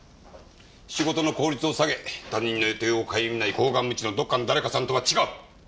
仕事の効率を下げ他人の予定を顧みない厚顔無恥のどっかの誰かさんとは違う！